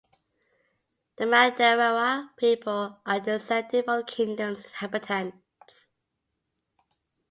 The Mandarawa people are descended from the kingdom's inhabitants.